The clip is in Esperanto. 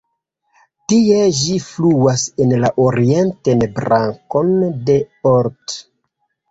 Tie ĝi fluas en la orientan brakon de Olt.